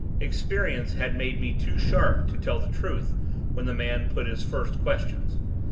Experience had made me too sharp to tell the truth when the man put his first questions.